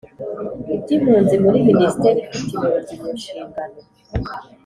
iby impunzi muri Minisiteri ifite impunzi mu nshingano